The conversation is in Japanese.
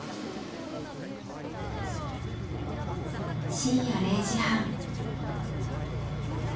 深夜０時半。